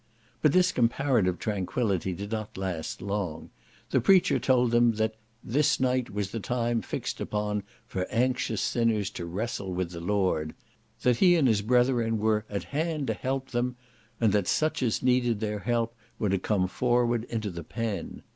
But this comparative tranquility did not last long: the preacher told them that "this night was the time fixed upon for anxious sinners to wrestle with the Lord;" that he and his brethren "were at hand to help them," and that such as needed their help were to come forward into "the pen."